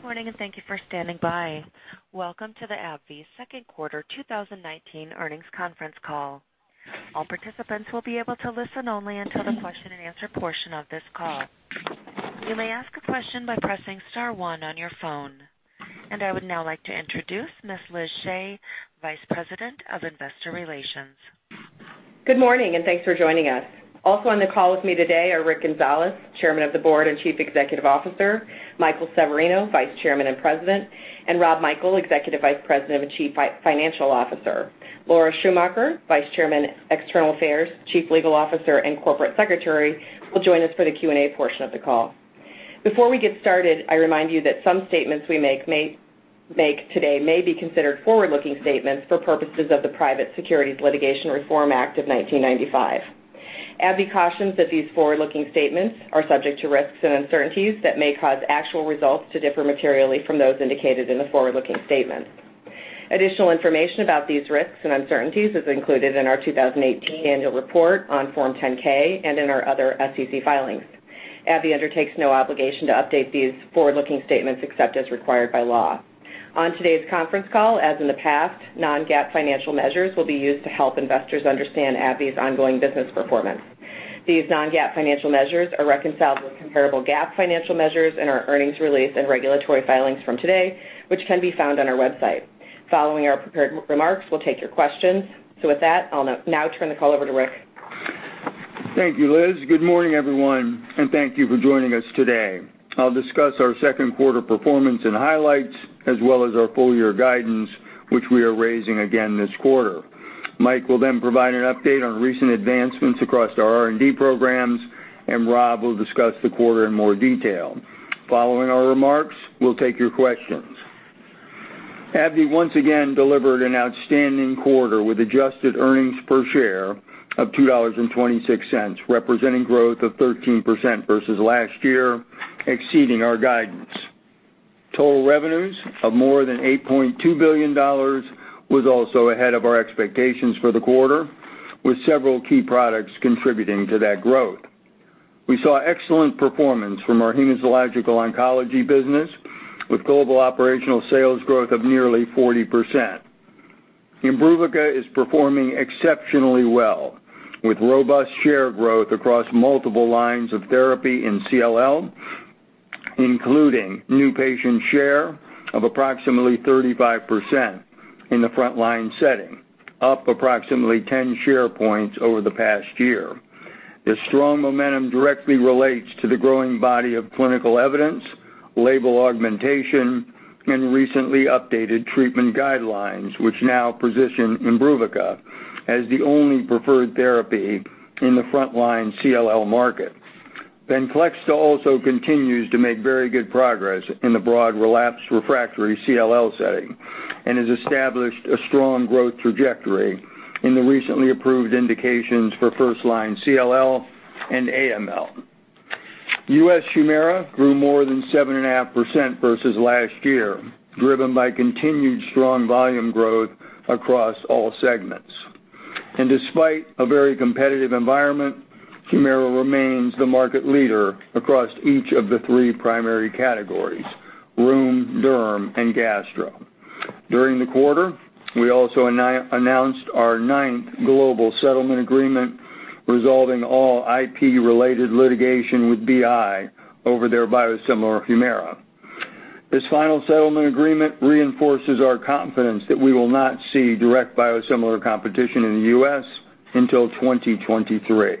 Good morning, and thank you for standing by. Welcome to the AbbVie Second Quarter 2019 Earnings Conference Call. All participants will be able to listen only until the question and answer portion of this call. You may ask a question by pressing star one on your phone. I would now like to introduce Ms. Liz Shea, Vice President of Investor Relations. Good morning. Thanks for joining us. Also on the call with me today are Rick Gonzalez, Chairman of the Board and Chief Executive Officer, Michael Severino, Vice Chairman and President, and Rob Michael, Executive Vice President and Chief Financial Officer. Laura Schumacher, Vice Chairman, External Affairs, Chief Legal Officer, and Corporate Secretary, will join us for the Q&A portion of the call. Before we get started, I remind you that some statements we make today may be considered forward-looking statements for purposes of the Private Securities Litigation Reform Act of 1995. AbbVie cautions that these forward-looking statements are subject to risks and uncertainties that may cause actual results to differ materially from those indicated in the forward-looking statement. Additional information about these risks and uncertainties is included in our 2018 annual report on Form 10-K and in our other SEC filings. AbbVie undertakes no obligation to update these forward-looking statements except as required by law. On today's conference call, as in the past, non-GAAP financial measures will be used to help investors understand AbbVie's ongoing business performance. These non-GAAP financial measures are reconciled with comparable GAAP financial measures in our earnings release and regulatory filings from today, which can be found on our website. Following our prepared remarks, we'll take your questions. With that, I'll now turn the call over to Rick. Thank you, Liz. Good morning, everyone, thank you for joining us today. I'll discuss our second quarter performance and highlights as well as our full-year guidance, which we are raising again this quarter. Mike will then provide an update on recent advancements across our R&D programs, Rob will discuss the quarter in more detail. Following our remarks, we'll take your questions. AbbVie once again delivered an outstanding quarter, with adjusted earnings per share of $2.26, representing growth of 13% versus last year, exceeding our guidance. Total revenues of more than $8.2 billion was also ahead of our expectations for the quarter, with several key products contributing to that growth. We saw excellent performance from our hematologic oncology business, with global operational sales growth of nearly 40%. IMBRUVICA is performing exceptionally well, with robust share growth across multiple lines of therapy in CLL, including new patient share of approximately 35% in the front-line setting, up approximately 10 share points over the past year. This strong momentum directly relates to the growing body of clinical evidence, label augmentation, and recently updated treatment guidelines, which now position IMBRUVICA as the only preferred therapy in the front-line CLL market. VENCLEXTA also continues to make very good progress in the broad relapse refractory CLL setting and has established a strong growth trajectory in the recently approved indications for first-line CLL and AML. U.S. HUMIRA grew more than 7.5% versus last year, driven by continued strong volume growth across all segments. Despite a very competitive environment, HUMIRA remains the market leader across each of the three primary categories: rheum, derm, and gastro. During the quarter, we also announced our ninth global settlement agreement, resolving all IP-related litigation with BI over their biosimilar HUMIRA. This final settlement agreement reinforces our confidence that we will not see direct biosimilar competition in the U.S. until 2023.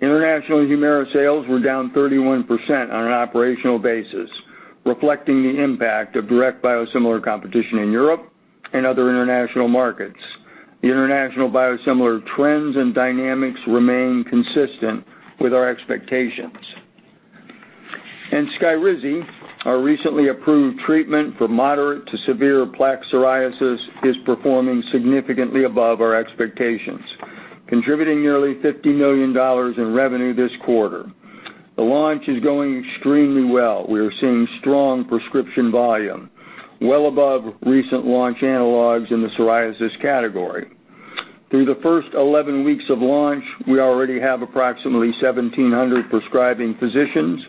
International HUMIRA sales were down 31% on an operational basis, reflecting the impact of direct biosimilar competition in Europe and other international markets. The international biosimilar trends and dynamics remain consistent with our expectations. SKYRIZI, our recently approved treatment for moderate to severe plaque psoriasis, is performing significantly above our expectations, contributing nearly $50 million in revenue this quarter. The launch is going extremely well. We are seeing strong prescription volume, well above recent launch analogs in the psoriasis category. Through the first 11 weeks of launch, we already have approximately 1,700 prescribing physicians,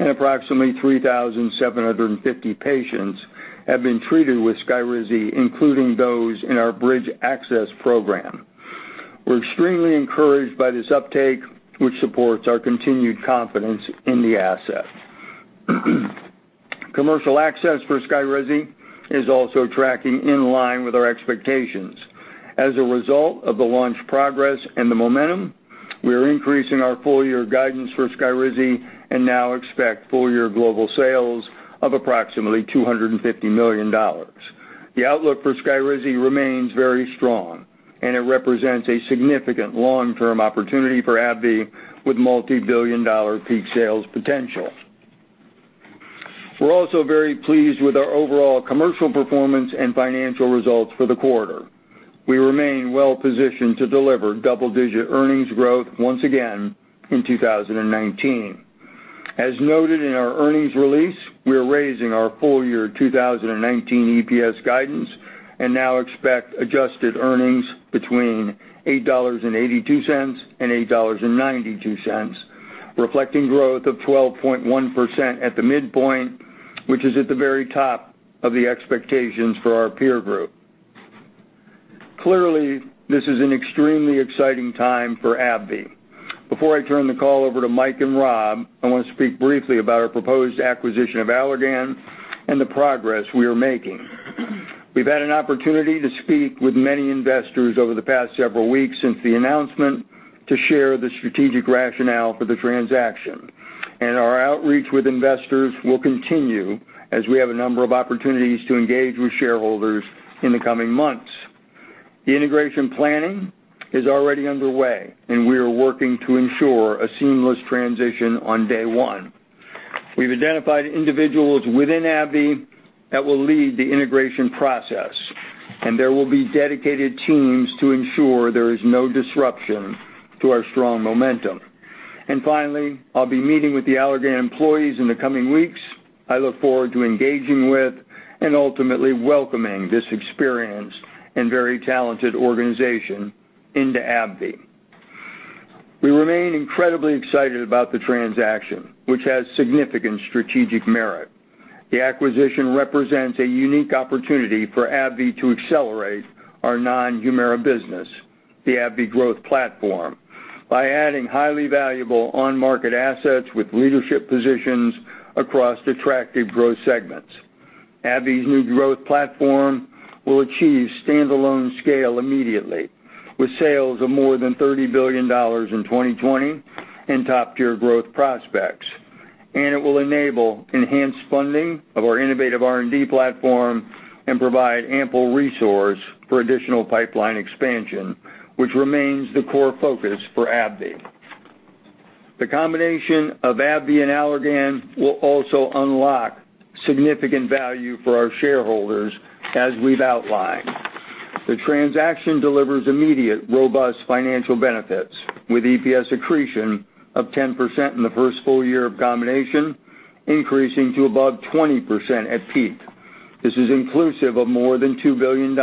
and approximately 3,750 patients have been treated with SKYRIZI, including those in our Bridge Access program. We're extremely encouraged by this uptake, which supports our continued confidence in the asset. Commercial access for SKYRIZI is also tracking in line with our expectations. As a result of the launch progress and the momentum, we are increasing our full-year guidance for SKYRIZI and now expect full-year global sales of approximately $250 million. The outlook for SKYRIZI remains very strong, and it represents a significant long-term opportunity for AbbVie, with multibillion-dollar peak sales potential. We're also very pleased with our overall commercial performance and financial results for the quarter. We remain well positioned to deliver double-digit earnings growth once again in 2019. As noted in our earnings release, we are raising our full-year 2019 EPS guidance. Now expect adjusted earnings between $8.82 and $8.92, reflecting growth of 12.1% at the midpoint, which is at the very top of the expectations for our peer group. Clearly, this is an extremely exciting time for AbbVie. Before I turn the call over to Mike and Rob, I want to speak briefly about our proposed acquisition of Allergan and the progress we are making. We've had an opportunity to speak with many investors over the past several weeks since the announcement to share the strategic rationale for the transaction. Our outreach with investors will continue as we have a number of opportunities to engage with shareholders in the coming months. The integration planning is already underway, and we are working to ensure a seamless transition on day one. We've identified individuals within AbbVie that will lead the integration process, and there will be dedicated teams to ensure there is no disruption to our strong momentum. Finally, I'll be meeting with the Allergan employees in the coming weeks. I look forward to engaging with and ultimately welcoming this experienced and very talented organization into AbbVie. We remain incredibly excited about the transaction, which has significant strategic merit. The acquisition represents a unique opportunity for AbbVie to accelerate our non-HUMIRA business, the AbbVie Growth Platform, by adding highly valuable on-market assets with leadership positions across attractive growth segments. AbbVie's new growth platform will achieve standalone scale immediately, with sales of more than $30 billion in 2020 and top-tier growth prospects. It will enable enhanced funding of our innovative R&D platform and provide ample resource for additional pipeline expansion, which remains the core focus for AbbVie. The combination of AbbVie and Allergan will also unlock significant value for our shareholders, as we've outlined. The transaction delivers immediate, robust financial benefits, with EPS accretion of 10% in the first full year of combination, increasing to above 20% at peak. This is inclusive of more than $2 billion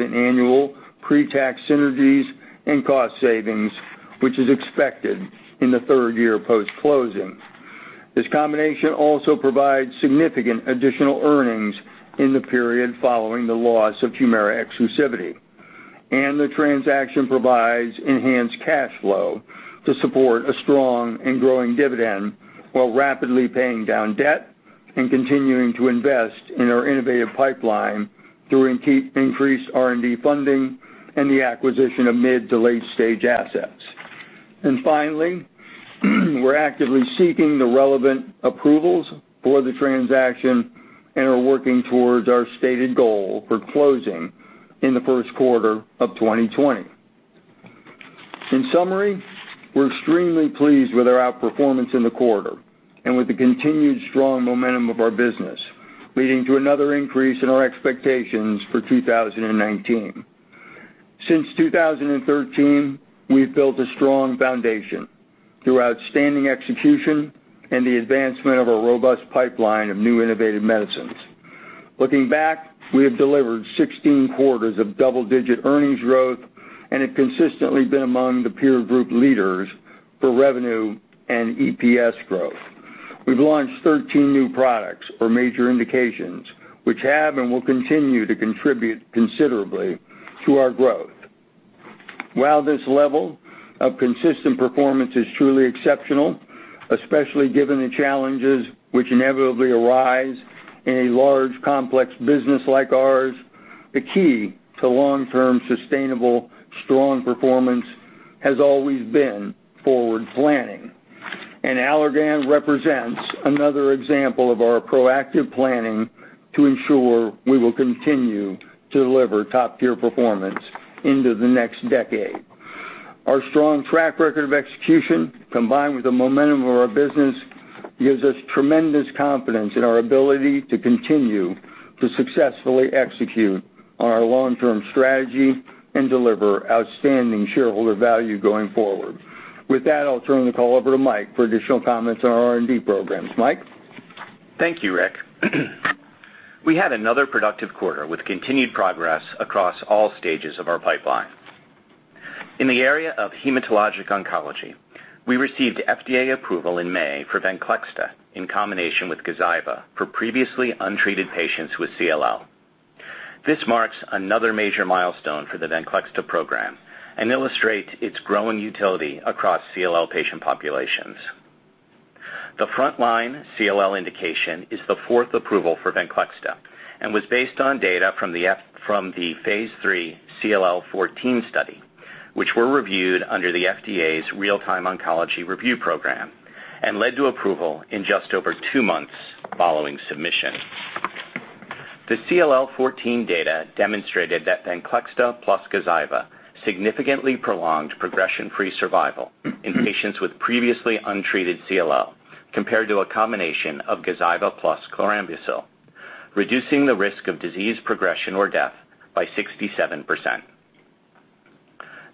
in annual pre-tax synergies and cost savings, which is expected in the third year post-closing. This combination also provides significant additional earnings in the period following the loss of HUMIRA exclusivity. The transaction provides enhanced cash flow to support a strong and growing dividend while rapidly paying down debt and continuing to invest in our innovative pipeline through increased R&D funding and the acquisition of mid to late-stage assets. Finally, we're actively seeking the relevant approvals for the transaction and are working towards our stated goal for closing in the first quarter of 2020. In summary, we're extremely pleased with our outperformance in the quarter and with the continued strong momentum of our business, leading to another increase in our expectations for 2019. Since 2013, we've built a strong foundation through outstanding execution and the advancement of a robust pipeline of new innovative medicines. Looking back, we have delivered 16 quarters of double-digit earnings growth and have consistently been among the peer group leaders for revenue and EPS growth. We've launched 13 new products or major indications which have and will continue to contribute considerably to our growth. While this level of consistent performance is truly exceptional, especially given the challenges which inevitably arise in a large, complex business like ours, the key to long-term sustainable, strong performance has always been forward planning. Allergan represents another example of our proactive planning to ensure we will continue to deliver top-tier performance into the next decade. Our strong track record of execution, combined with the momentum of our business, gives us tremendous confidence in our ability to continue to successfully execute on our long-term strategy and deliver outstanding shareholder value going forward. With that, I'll turn the call over to Mike for additional comments on our R&D programs. Mike? Thank you, Rick. We had another productive quarter with continued progress across all stages of our pipeline. In the area of hematologic oncology, we received FDA approval in May for VENCLEXTA in combination with GAZYVA for previously untreated patients with CLL. This marks another major milestone for the VENCLEXTA program and illustrates its growing utility across CLL patient populations. The frontline CLL indication is the fourth approval for VENCLEXTA and was based on data from the phase III CLL14 study, which were reviewed under the FDA's Real-Time Oncology Review Program and led to approval in just over two months following submission. The CLL14 data demonstrated that VENCLEXTA plus GAZYVA significantly prolonged progression-free survival in patients with previously untreated CLL, compared to a combination of GAZYVA plus chlorambucil, reducing the risk of disease progression or death by 67%.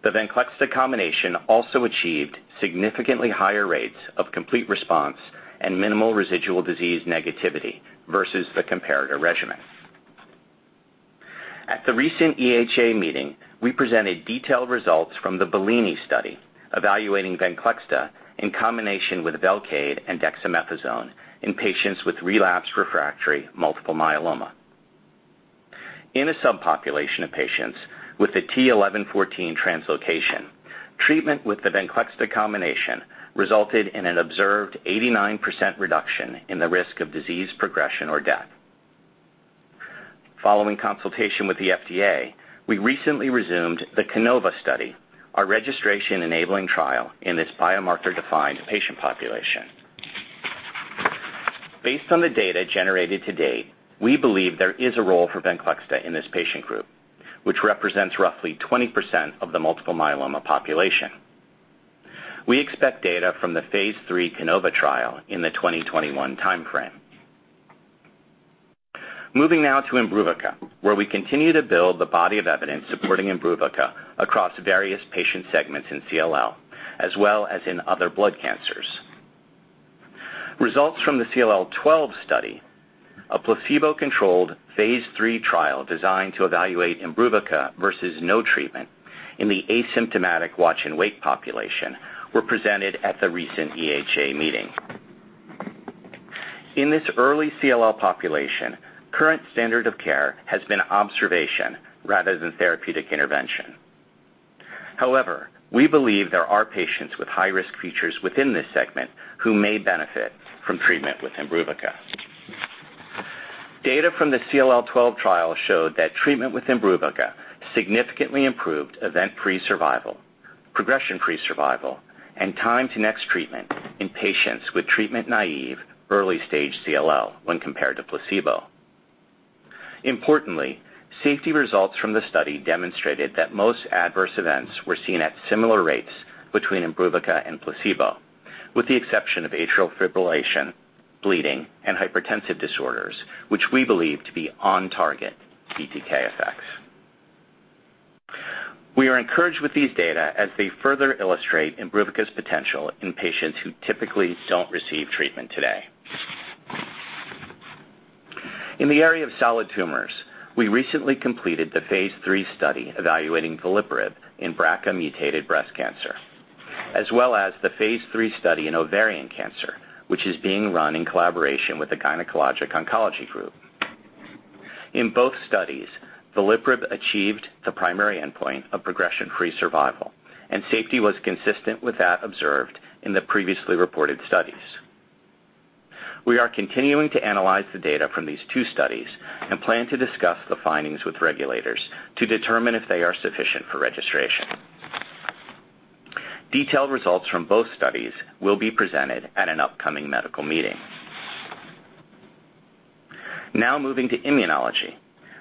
The VENCLEXTA combination also achieved significantly higher rates of complete response and minimal residual disease negativity versus the comparator regimen. At the recent EHA meeting, we presented detailed results from the BELLINI study evaluating VENCLEXTA in combination with VELCADE and dexamethasone in patients with relapsed refractory multiple myeloma. In a subpopulation of patients with the t(11;14) translocation, treatment with the VENCLEXTA combination resulted in an observed 89% reduction in the risk of disease progression or death. Following consultation with the FDA, we recently resumed the CANOVA study, our registration-enabling trial in this biomarker-defined patient population. Based on the data generated to date, we believe there is a role for VENCLEXTA in this patient group, which represents roughly 20% of the multiple myeloma population. We expect data from the phase III CANOVA trial in the 2021 timeframe. Moving now to IMBRUVICA, where we continue to build the body of evidence supporting IMBRUVICA across various patient segments in CLL, as well as in other blood cancers. Results from the CLL12 study, a placebo-controlled phase III trial designed to evaluate IMBRUVICA versus no treatment in the asymptomatic watch and wait population, were presented at the recent EHA meeting. In this early CLL population, current standard of care has been observation rather than therapeutic intervention. We believe there are patients with high-risk features within this segment who may benefit from treatment with IMBRUVICA. Data from the CLL12 trial showed that treatment with IMBRUVICA significantly improved event-free survival, progression-free survival, and time to next treatment in patients with treatment-naive early-stage CLL when compared to placebo. Importantly, safety results from the study demonstrated that most adverse events were seen at similar rates between IMBRUVICA and placebo, with the exception of atrial fibrillation, bleeding, and hypertensive disorders, which we believe to be on-target BTK effects. We are encouraged with these data as they further illustrate IMBRUVICA's potential in patients who typically don't receive treatment today. In the area of solid tumors, we recently completed the phase III study evaluating veliparib in BRCA-mutated breast cancer, as well as the phase III study in ovarian cancer, which is being run in collaboration with the Gynecologic Oncology Group. In both studies, veliparib achieved the primary endpoint of progression-free survival, and safety was consistent with that observed in the previously reported studies. We are continuing to analyze the data from these two studies and plan to discuss the findings with regulators to determine if they are sufficient for registration. Detailed results from both studies will be presented at an upcoming medical meeting. Moving to immunology.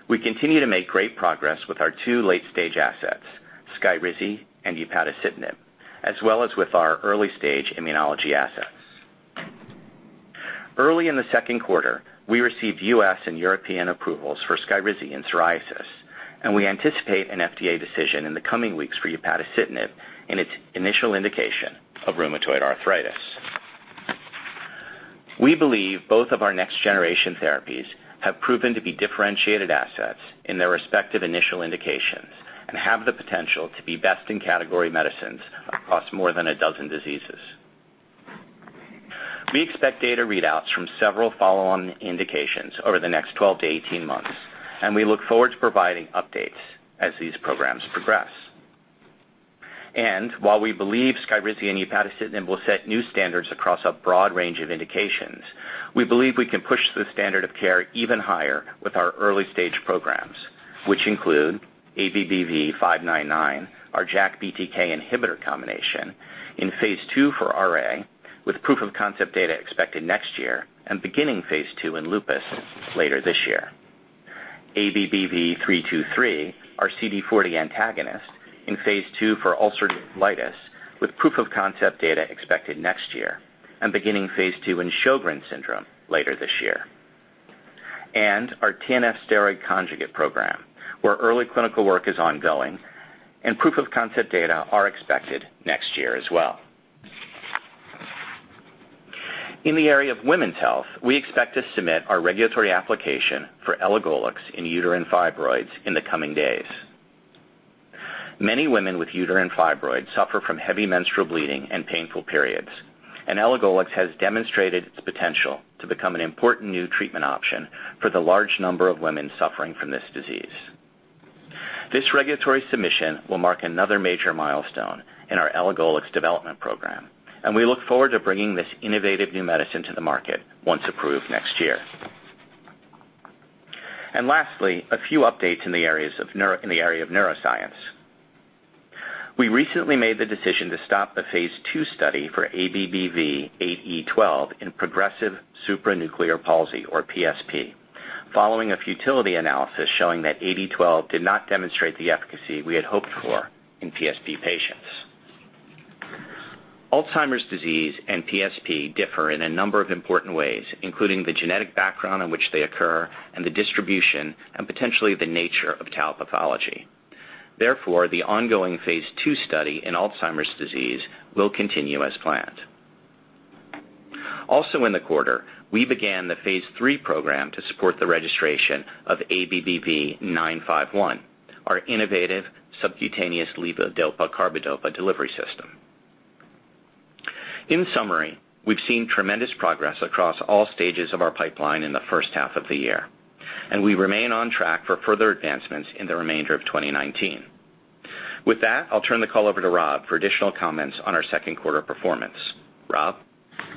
We continue to make great progress with our two late-stage assets, SKYRIZI and upadacitinib, as well as with our early-stage immunology assets. Early in the second quarter, we received U.S. and European approvals for SKYRIZI in psoriasis, and we anticipate an FDA decision in the coming weeks for upadacitinib in its initial indication of rheumatoid arthritis. We believe both of our next-generation therapies have proven to be differentiated assets in their respective initial indications and have the potential to be best-in-category medicines across more than a dozen diseases. We expect data readouts from several follow-on indications over the next 12-18 months. We look forward to providing updates as these programs progress. While we believe SKYRIZI and upadacitinib will set new standards across a broad range of indications, we believe we can push the standard of care even higher with our early-stage programs. Which include ABBV-599, our JAK/BTK inhibitor combination in phase II for RA, with proof of concept data expected next year and beginning phase II in lupus later this year. ABBV-323, our CD40 antagonist in phase II for ulcerative colitis, with proof of concept data expected next year and beginning phase II in Sjögren's syndrome later this year. Our TNF steroid conjugate program, where early clinical work is ongoing and proof of concept data are expected next year as well. In the area of women's health, we expect to submit our regulatory application for elagolix in uterine fibroids in the coming days. Many women with uterine fibroids suffer from heavy menstrual bleeding and painful periods, and elagolix has demonstrated its potential to become an important new treatment option for the large number of women suffering from this disease. This regulatory submission will mark another major milestone in our elagolix development program, and we look forward to bringing this innovative new medicine to the market once approved next year. Lastly, a few updates in the area of neuroscience. We recently made the decision to stop the phase II study for ABBV-8E12 in progressive supranuclear palsy or PSP, following a futility analysis showing that ABBV-8E12 did not demonstrate the efficacy we had hoped for in PSP patients. Alzheimer's disease and PSP differ in a number of important ways, including the genetic background in which they occur and the distribution and potentially the nature of tau pathology. Therefore, the ongoing phase II study in Alzheimer's disease will continue as planned. Also in the quarter, we began the phase III program to support the registration of ABBV-951, our innovative subcutaneous levodopa/carbidopa delivery system. In summary, we've seen tremendous progress across all stages of our pipeline in the first half of the year, and we remain on track for further advancements in the remainder of 2019. With that, I'll turn the call over to Rob for additional comments on our second quarter performance. Rob?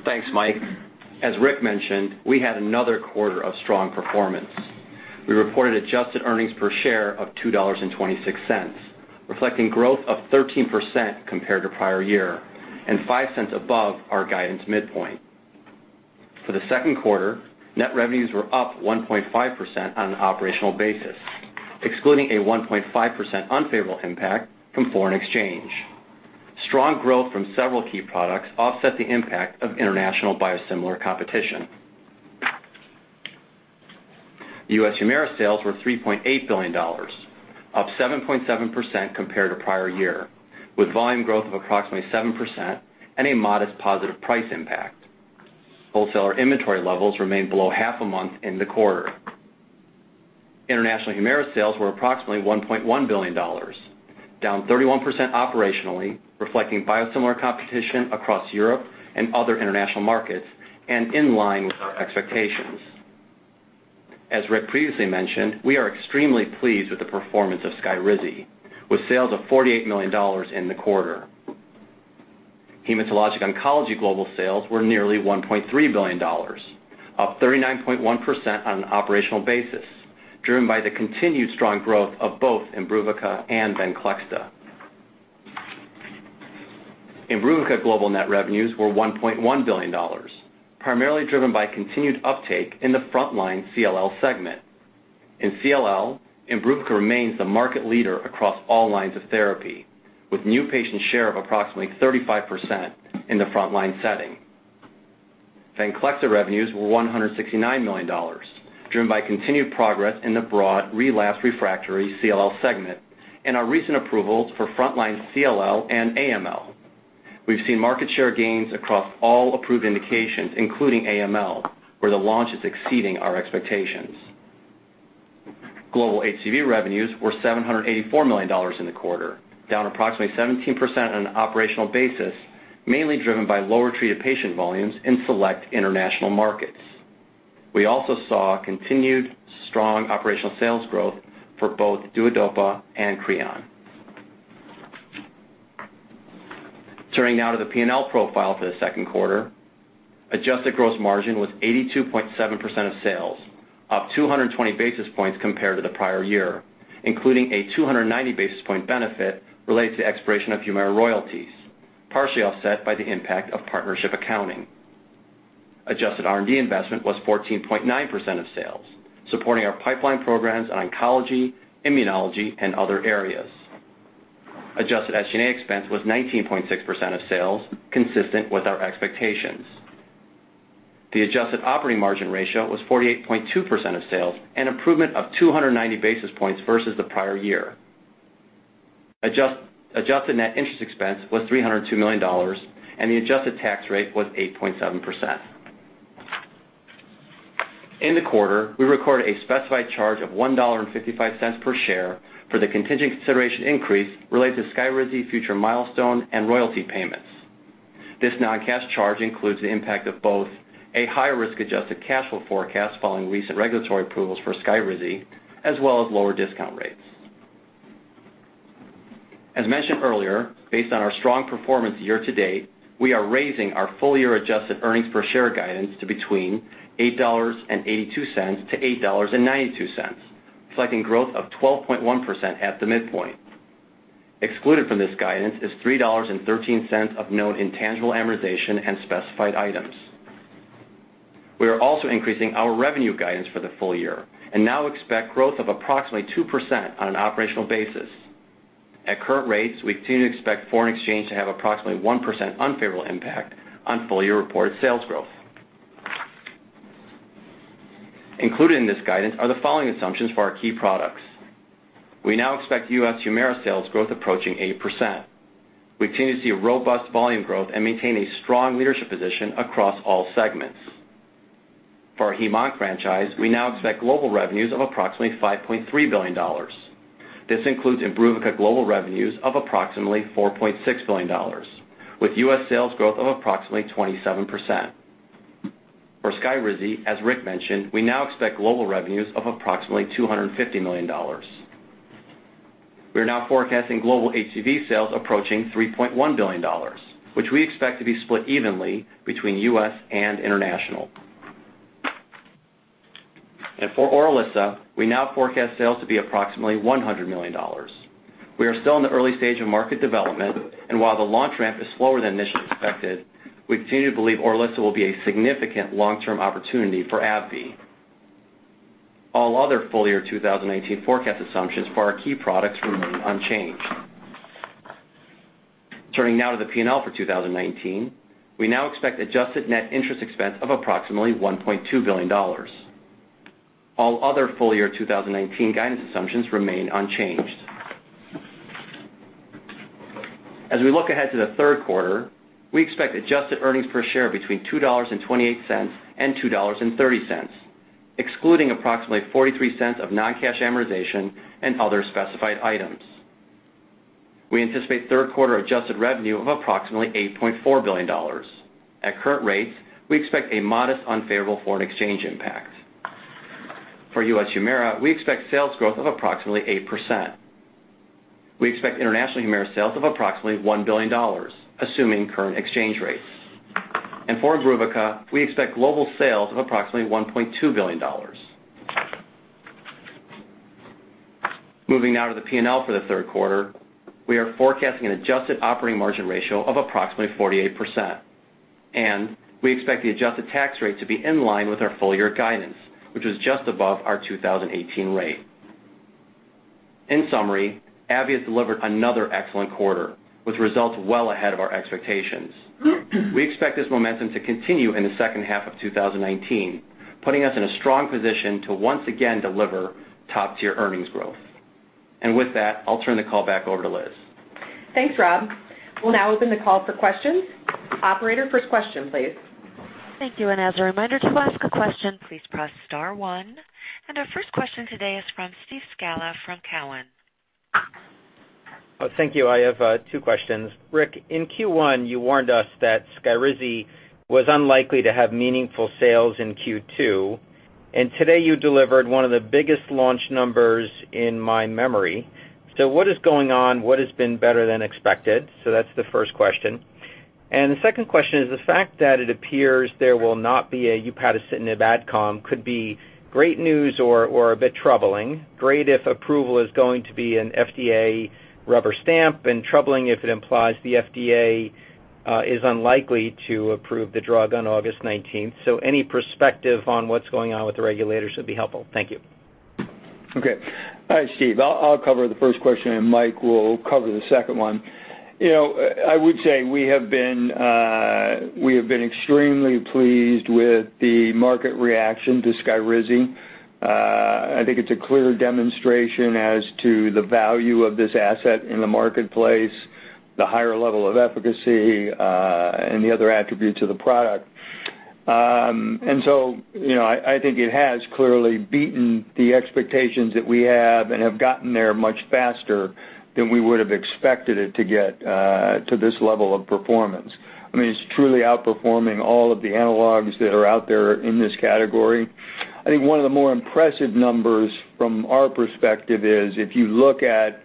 Thanks, Mike. As Rick mentioned, we had another quarter of strong performance. We reported adjusted earnings per share of $2.26, reflecting growth of 13% compared to prior year, and $0.05 above our guidance midpoint. For the second quarter, net revenues were up 1.5% on an operational basis, excluding a 1.5% unfavorable impact from foreign exchange. Strong growth from several key products offset the impact of international biosimilar competition. U.S. HUMIRA sales were $3.8 billion, up 7.7% compared to prior year, with volume growth of approximately 7% and a modest positive price impact. Wholesaler inventory levels remained below half a month in the quarter. International HUMIRA sales were approximately $1.1 billion, down 31% operationally, reflecting biosimilar competition across Europe and other international markets, and in line with our expectations. As Rick previously mentioned, we are extremely pleased with the performance of SKYRIZI, with sales of $48 million in the quarter. Hematologic oncology global sales were nearly $1.3 billion, up 39.1% on an operational basis, driven by the continued strong growth of both IMBRUVICA and VENCLEXTA. IMBRUVICA global net revenues were $1.1 billion, primarily driven by continued uptake in the frontline CLL segment. In CLL, IMBRUVICA remains the market leader across all lines of therapy, with new patient share of approximately 35% in the frontline setting. VENCLEXTA revenues were $169 million, driven by continued progress in the broad relapsed/refractory CLL segment and our recent approvals for frontline CLL and AML. We've seen market share gains across all approved indications, including AML, where the launch is exceeding our expectations. Global HCV revenues were $784 million in the quarter, down approximately 17% on an operational basis, mainly driven by lower treated patient volumes in select international markets. We also saw continued strong operational sales growth for both DUODOPA and CREON. Turning now to the P&L profile for the second quarter. Adjusted gross margin was 82.7% of sales, up 220 basis points compared to the prior year, including a 290 basis point benefit related to the expiration of HUMIRA royalties, partially offset by the impact of partnership accounting. Adjusted R&D investment was 14.9% of sales, supporting our pipeline programs on oncology, immunology, and other areas. Adjusted SG&A expense was 19.6% of sales, consistent with our expectations. The adjusted operating margin ratio was 48.2% of sales, an improvement of 290 basis points versus the prior year. Adjusted net interest expense was $302 million, and the adjusted tax rate was 8.7%. In the quarter, we recorded a specified charge of $1.55 per share for the contingent consideration increase related to SKYRIZI future milestone and royalty payments. This non-cash charge includes the impact of both a higher risk-adjusted cash flow forecast following recent regulatory approvals for SKYRIZI, as well as lower discount rates. As mentioned earlier, based on our strong performance year to date, we are raising our full-year adjusted earnings per share guidance to between $8.82-$8.92, reflecting growth of 12.1% at the midpoint. Excluded from this guidance is $3.13 of known intangible amortization and specified items. We are also increasing our revenue guidance for the full year and now expect growth of approximately 2% on an operational basis. At current rates, we continue to expect foreign exchange to have approximately 1% unfavorable impact on full-year reported sales growth. Included in this guidance are the following assumptions for our key products. We now expect U.S. HUMIRA sales growth approaching 8%. We continue to see a robust volume growth and maintain a strong leadership position across all segments. For our heme-onc franchise, we now expect global revenues of approximately $5.3 billion. This includes IMBRUVICA global revenues of approximately $4.6 billion, with U.S. sales growth of approximately 27%. For SKYRIZI, as Rick mentioned, we now expect global revenues of approximately $250 million. We are now forecasting global HCV sales approaching $3.1 billion, which we expect to be split evenly between U.S. and international. For ORILISSA, we now forecast sales to be approximately $100 million. We are still in the early stage of market development, and while the launch ramp is slower than initially expected, we continue to believe ORILISSA will be a significant long-term opportunity for AbbVie. All other full-year 2019 forecast assumptions for our key products remain unchanged. Turning now to the P&L for 2019, we now expect adjusted net interest expense of approximately $1.2 billion. All other full-year 2019 guidance assumptions remain unchanged. As we look ahead to the third quarter, we expect adjusted earnings per share between $2.28 and $2.30, excluding approximately $0.43 of non-cash amortization and other specified items. We anticipate third quarter adjusted revenue of approximately $8.4 billion. At current rates, we expect a modest unfavorable foreign exchange impact. For U.S. HUMIRA, we expect sales growth of approximately 8%. We expect international HUMIRA sales of approximately $1 billion, assuming current exchange rates. For IMBRUVICA, we expect global sales of approximately $1.2 billion. Moving now to the P&L for the third quarter, we are forecasting an adjusted operating margin ratio of approximately 48%, and we expect the adjusted tax rate to be in line with our full-year guidance, which is just above our 2018 rate. In summary, AbbVie has delivered another excellent quarter, with results well ahead of our expectations. We expect this momentum to continue in the second half of 2019, putting us in a strong position to once again deliver top-tier earnings growth. With that, I'll turn the call back over to Liz. Thanks, Rob. We'll now open the call for questions. Operator, first question, please. Thank you. As a reminder, to ask a question, please press star one. Our first question today is from Steve Scala from Cowen. Thank you. I have two questions. Rick, in Q1, you warned us that SKYRIZI was unlikely to have meaningful sales in Q2. Today you delivered one of the biggest launch numbers in my memory. What is going on? What has been better than expected? That's the first question. The second question is the fact that it appears there will not be a upadacitinib adcom could be great news or a bit troubling. Great if approval is going to be an FDA rubber stamp and troubling if it implies the FDA is unlikely to approve the drug on August 19th. Any perspective on what's going on with the regulators would be helpful. Thank you. Okay. Steve, I'll cover the first question. Mike will cover the second one. I would say we have been extremely pleased with the market reaction to SKYRIZI. I think it's a clear demonstration as to the value of this asset in the marketplace, the higher level of efficacy, and the other attributes of the product. I think it has clearly beaten the expectations that we have and have gotten there much faster than we would have expected it to get to this level of performance. It's truly outperforming all of the analogs that are out there in this category. I think one of the more impressive numbers from our perspective is if you look at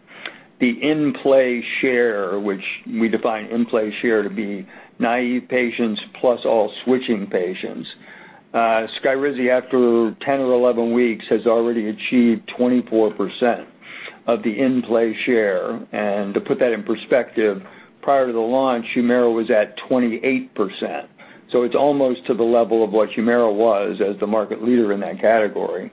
the in-play share, which we define in-play share to be naive patients plus all switching patients. SKYRIZI, after 10 or 11 weeks, has already achieved 24% of the in-play share. To put that in perspective, prior to the launch, HUMIRA was at 28%. It's almost to the level of what HUMIRA was as the market leader in that category.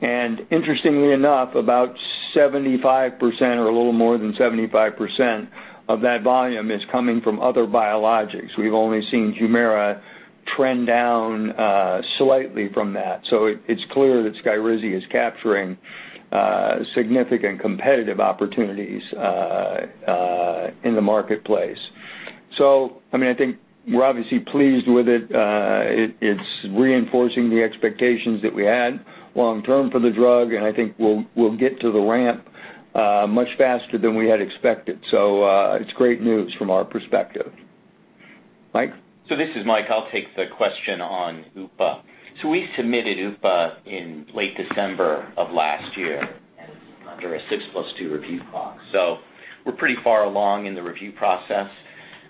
Interestingly enough, about 75% or a little more than 75% of that volume is coming from other biologics. We've only seen HUMIRA trend down slightly from that. It's clear that SKYRIZI is capturing significant competitive opportunities in the marketplace. I think we're obviously pleased with it. It's reinforcing the expectations that we had long term for the drug, and I think we'll get to the ramp much faster than we had expected. It's great news from our perspective. Mike? This is Mike. I'll take the question on upadacitinib. We submitted upadacitinib in late December of last year and under a six plus two review clock. We're pretty far along in the review process.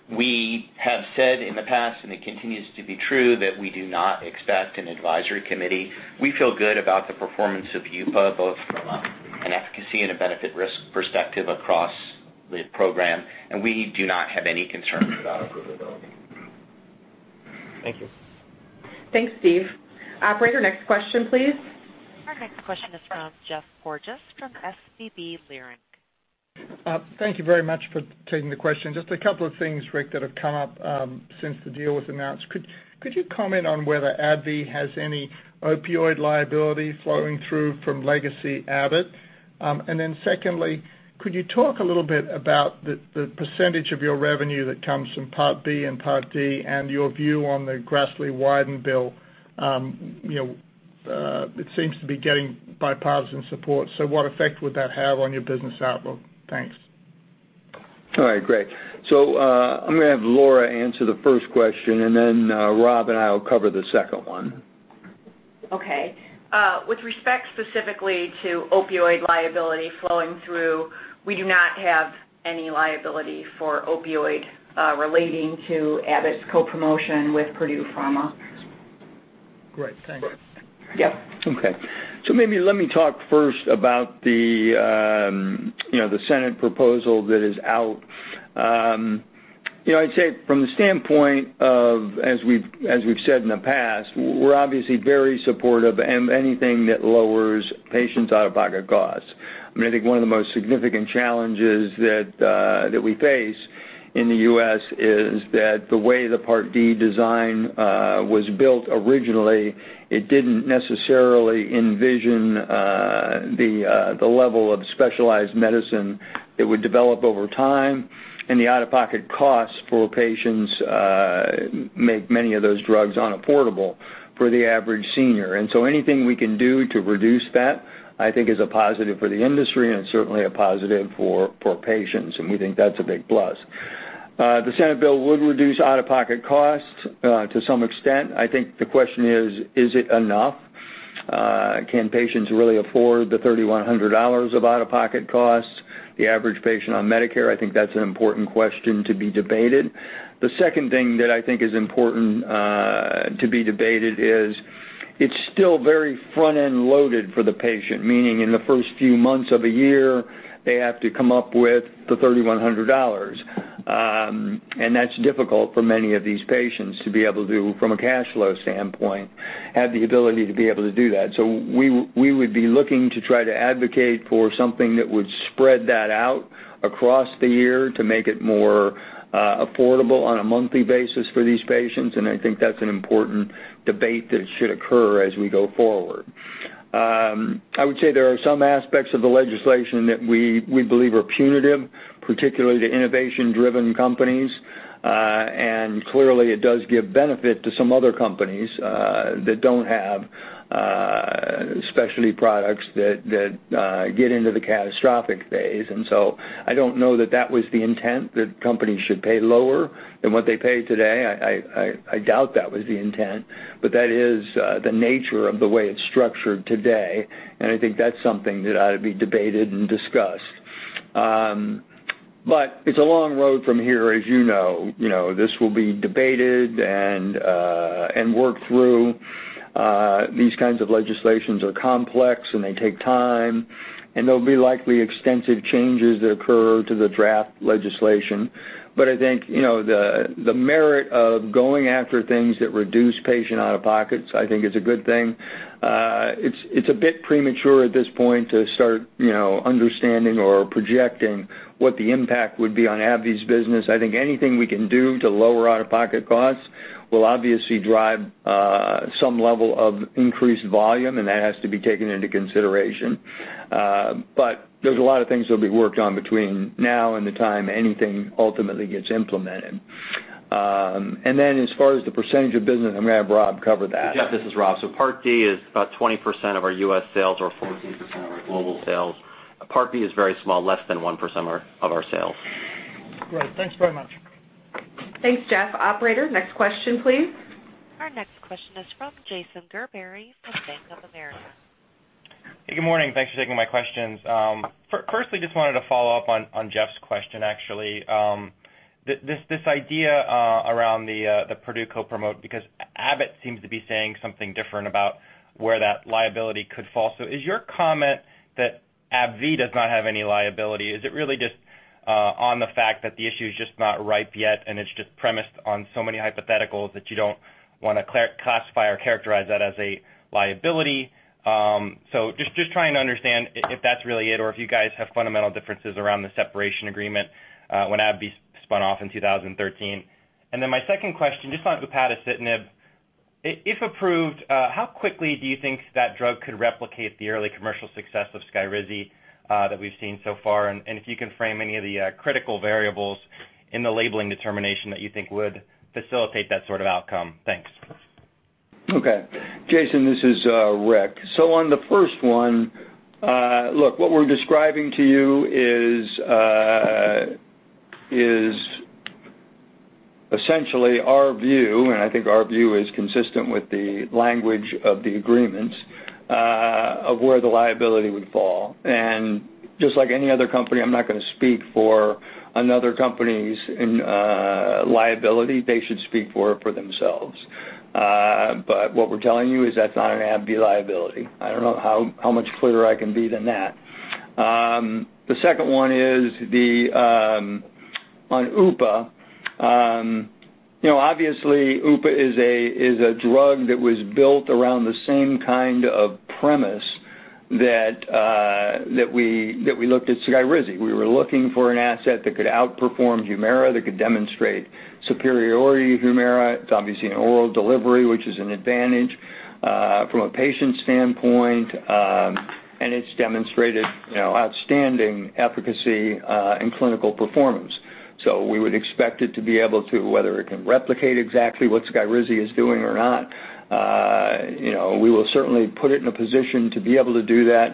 We have said in the past, and it continues to be true, that we do not expect an advisory committee. We feel good about the performance of upadacitinib, both from an efficacy and a benefit risk perspective across the program, and we do not have any concerns about approvability. Thank you. Thanks, Steve. Operator, next question, please. Our next question is from Geoff Porges from SVB Leerink. Thank you very much for taking the question. Just a couple of things, Rick, that have come up since the deal was announced. Could you comment on whether AbbVie has any opioid liability flowing through from legacy Abbott? Secondly, could you talk a little bit about the percentage of your revenue that comes from Part B and Part D and your view on the Grassley-Wyden bill? It seems to be getting bipartisan support, what effect would that have on your business outlook? Thanks. All right, great. I'm going to have Laura answer the first question, and then Rob and I will cover the second one. Okay. With respect specifically to opioid liability flowing through, we do not have any liability for opioid relating to Abbott's co-promotion with Purdue Pharma. Great. Thanks. Yep. Okay. Maybe let me talk first about the Senate proposal that is out. I'd say from the standpoint of, as we've said in the past, we're obviously very supportive of anything that lowers patients' out-of-pocket costs. I think one of the most significant challenges that we face in the U.S. is that the way the Part D design was built originally, it didn't necessarily envision the level of specialized medicine that would develop over time, and the out-of-pocket costs for patients make many of those drugs unaffordable for the average senior. Anything we can do to reduce that, I think is a positive for the industry, and it's certainly a positive for patients, and we think that's a big plus. The Senate bill would reduce out-of-pocket costs to some extent. I think the question is it enough? Can patients really afford the $3,100 of out-of-pocket costs, the average patient on Medicare? I think that's an important question to be debated. The second thing that I think is important to be debated is, it's still very front-end loaded for the patient, meaning in the first few months of a year, they have to come up with the $3,100. That's difficult for many of these patients to be able to, from a cash flow standpoint, have the ability to be able to do that. We would be looking to try to advocate for something that would spread that out across the year to make it more affordable on a monthly basis for these patients, and I think that's an important debate that should occur as we go forward. I would say there are some aspects of the legislation that we believe are punitive, particularly to innovation-driven companies. Clearly it does give benefit to some other companies that don't have specialty products that get into the catastrophic phase. So I don't know that that was the intent, that companies should pay lower than what they pay today. I doubt that was the intent, but that is the nature of the way it's structured today, and I think that's something that ought to be debated and discussed. It's a long road from here, as you know. This will be debated and worked through. These kinds of legislations are complex, and they take time, and there'll be likely extensive changes that occur to the draft legislation. I think, the merit of going after things that reduce patient out-of-pocket, I think is a good thing. It's a bit premature at this point to start understanding or projecting what the impact would be on AbbVie's business. I think anything we can do to lower out-of-pocket costs will obviously drive some level of increased volume, and that has to be taken into consideration. There's a lot of things that'll be worked on between now and the time anything ultimately gets implemented. As far as the percentage of business, I'm going to have Rob cover that. Geoff, this is Rob. Part D is about 20% of our U.S. sales or 14% of our global sales. Part B is very small, less than 1% of our sales. Great. Thanks very much. Thanks, Geoff. Operator, next question, please. Our next question is from Jason Gerberry from Bank of America. Hey, good morning. Thanks for taking my questions. Firstly, just wanted to follow up on Geoff's question, actually. This idea around the Purdue co-promote, because Abbott seems to be saying something different about where that liability could fall. Is your comment that AbbVie does not have any liability, is it really just on the fact that the issue is just not ripe yet and it's just premised on so many hypotheticals that you don't want to classify or characterize that as a liability? Just trying to understand if that's really it or if you guys have fundamental differences around the separation agreement when AbbVie spun off in 2013. My second question, just on upadacitinib. If approved, how quickly do you think that drug could replicate the early commercial success of SKYRIZI that we've seen so far? If you can frame any of the critical variables in the labeling determination that you think would facilitate that sort of outcome. Thanks. Okay. Jason, this is Rick. On the first one, look, what we're describing to you is essentially our view, and I think our view is consistent with the language of the agreements, of where the liability would fall. Just like any other company, I'm not going to speak for another company's liability. They should speak for it for themselves. What we're telling you is that's not an AbbVie liability. I don't know how much clearer I can be than that. The second one is on upadacitinib. Obviously, upadacitinib is a drug that was built around the same kind of premise that we looked at SKYRIZI. We were looking for an asset that could outperform HUMIRA, that could demonstrate superiority to HUMIRA. It's obviously an oral delivery, which is an advantage from a patient standpoint. It's demonstrated outstanding efficacy and clinical performance. We would expect it to be able to, whether it can replicate exactly what SKYRIZI is doing or not, we will certainly put it in a position to be able to do that.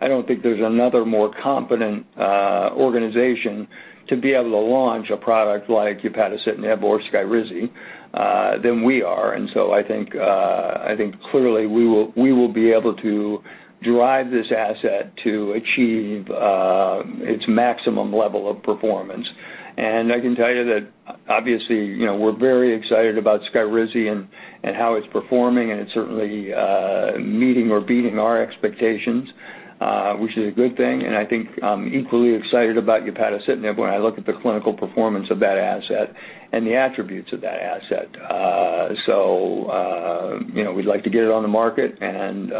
I don't think there's another more competent organization to be able to launch a product like upadacitinib or SKYRIZI than we are. I think clearly we will be able to drive this asset to achieve its maximum level of performance. I can tell you that obviously, we're very excited about SKYRIZI and how it's performing, and it's certainly meeting or beating our expectations, which is a good thing. I think I'm equally excited about upadacitinib when I look at the clinical performance of that asset and the attributes of that asset. We'd like to get it on the market and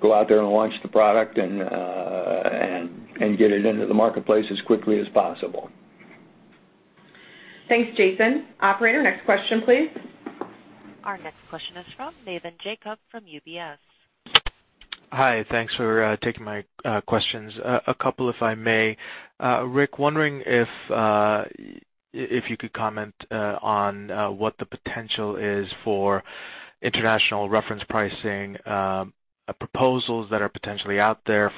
go out there and launch the product and get it into the marketplace as quickly as possible. Thanks, Jason. Operator, next question, please. Our next question is from Navin Jacob from UBS. Hi. Thanks for taking my questions. A couple, if I may. Rick, wondering if you could comment on what the potential is for international reference pricing proposals that are potentially out there,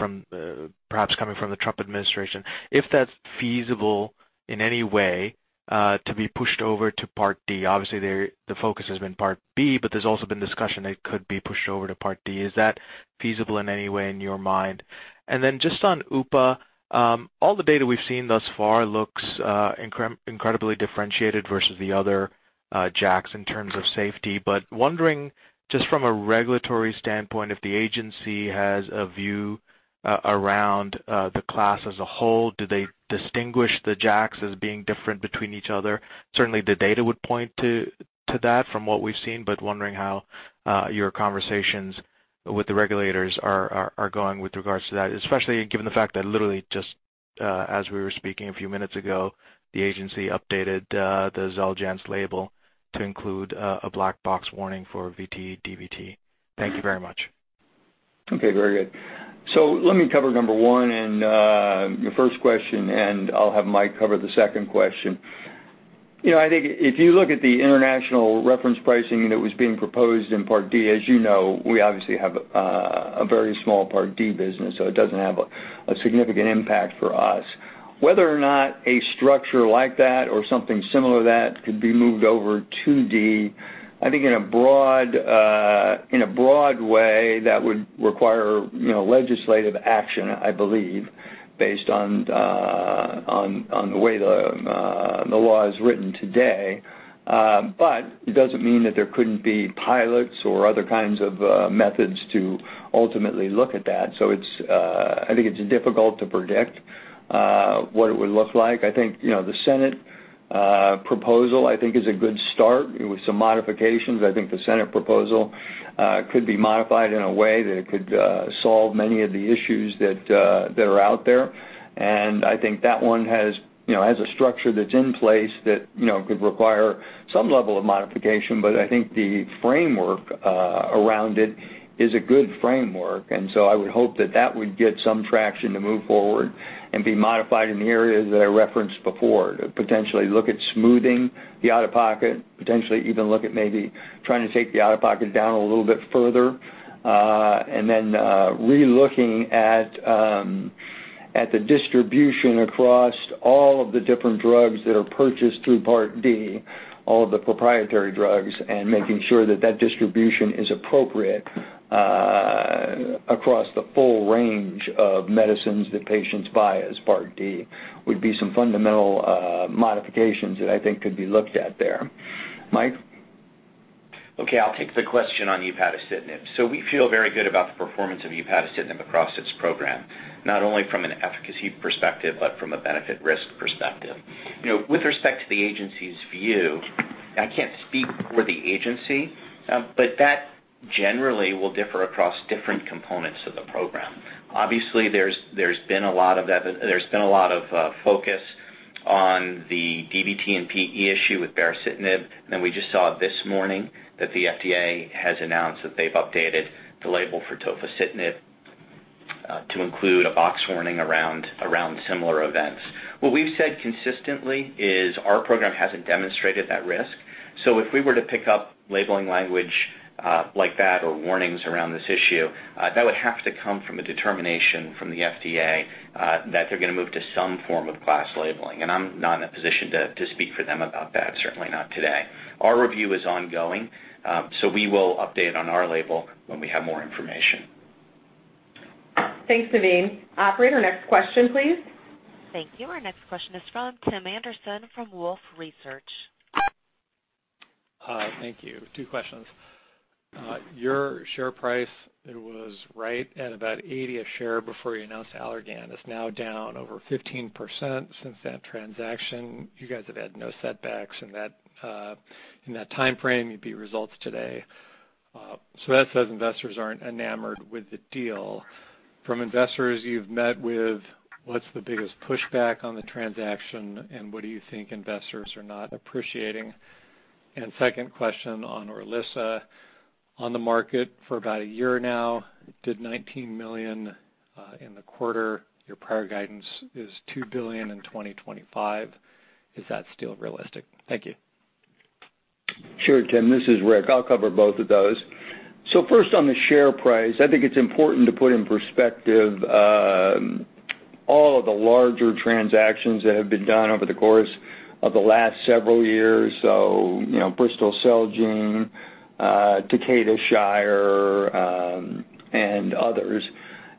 perhaps coming from the Trump administration, if that's feasible in any way to be pushed over to Part D. Obviously, the focus has been Part B, but there's also been discussion it could be pushed over to Part D. Is that feasible in any way in your mind? Just on upadacitinib, all the data we've seen thus far looks incredibly differentiated versus the other JAKs in terms of safety. Wondering, just from a regulatory standpoint, if the agency has a view around the class as a whole. Do they distinguish the JAKs as being different between each other? Certainly, the data would point to that from what we've seen, but wondering how your conversations with the regulators are going with regards to that, especially given the fact that literally just as we were speaking a few minutes ago, the agency updated the XELJANZ label to include a black box warning for VTE, DVT. Thank you very much. Okay, very good. Let me cover number one and your first question, and I'll have Mike cover the second question. I think if you look at the international reference pricing that was being proposed in Part D, as you know, we obviously have a very small Part D business, so it doesn't have a significant impact for us. Whether or not a structure like that or something similar to that could be moved over to D, I think in a broad way, that would require legislative action, I believe, based on the way the law is written today. It doesn't mean that there couldn't be pilots or other kinds of methods to ultimately look at that. I think it's difficult to predict what it would look like. The Senate proposal, I think is a good start with some modifications. I think the Senate proposal could be modified in a way that it could solve many of the issues that are out there. I think that one has a structure that's in place that could require some level of modification, but I think the framework around it is a good framework, and so I would hope that that would get some traction to move forward and be modified in the areas that I referenced before to potentially look at smoothing the out-of-pocket, potentially even look at maybe trying to take the out-of-pocket down a little bit further, and then re-looking at the distribution across all of the different drugs that are purchased through Part D, all of the proprietary drugs, and making sure that that distribution is appropriate across the full range of medicines that patients buy as Part D would be some fundamental modifications that I think could be looked at there. Mike? I'll take the question on upadacitinib. We feel very good about the performance of upadacitinib across this program, not only from an efficacy perspective, but from a benefit risk perspective. With respect to the agency's view, I can't speak for the agency, but that generally will differ across different components of the program. Obviously, there's been a lot of focus on the DVT and PE issue with baricitinib, and we just saw this morning that the FDA has announced that they've updated the label for tofacitinib to include a box warning around similar events. What we've said consistently is our program hasn't demonstrated that risk. If we were to pick up labeling language like that or warnings around this issue, that would have to come from a determination from the FDA that they're going to move to some form of class labeling. I'm not in a position to speak for them about that, certainly not today. Our review is ongoing, so we will update on our label when we have more information. Thanks, Navin. Operator, next question, please. Thank you. Our next question is from Tim Anderson from Wolfe Research. Thank you. Two questions. Your share price was right at about 80 a share before you announced Allergan. It's now down over 15% since that transaction. You guys have had no setbacks in that timeframe. You beat results today. That says investors aren't enamored with the deal. From investors you've met with, what's the biggest pushback on the transaction, and what do you think investors are not appreciating? Second question on ORILISSA. On the market for about a year now, did $19 million in the quarter. Your prior guidance is $2 billion in 2025. Is that still realistic? Thank you. Sure, Tim. This is Rick. I'll cover both of those. First on the share price, I think it's important to put in perspective all of the larger transactions that have been done over the course of the last several years. Bristol, Celgene, Takeda, Shire, and others